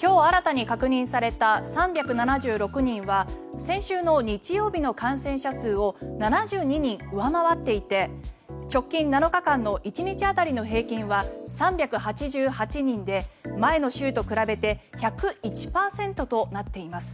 今日、新たに確認された３７６人は先週の日曜日の感染者数を７２人上回っていて直近７日間の１日当たりの平均は３８８人で、前の週と比べて１０１％となっています。